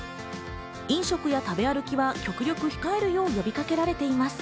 飲食や食べ歩きは極力控えるよう呼びかけられています。